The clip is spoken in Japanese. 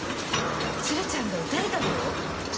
鶴ちゃんが撃たれたのよ。